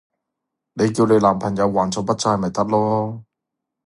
你叫你男朋友還咗筆債咪得囉